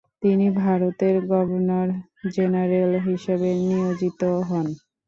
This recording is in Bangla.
তিনি ভারতের গভর্নর-জেনারেল হিসাবে নিয়োজিত হন।